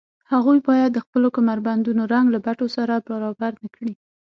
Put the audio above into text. هغوی باید د خپلو کمربندونو رنګ له بټوو سره برابر نه کړي